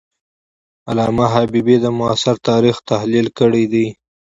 علامه حبیبي د معاصر تاریخ تحلیل کړی دی.